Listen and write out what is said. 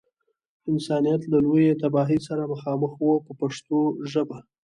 انسانیت له لویې تباهۍ سره مخامخ و په پښتو ژبه.